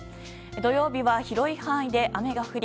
土曜日は広い範囲で雨が降り